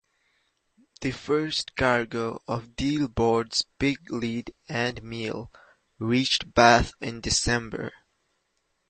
The first cargo of "Deal boards, Pig-Lead and Meal" reached Bath in December.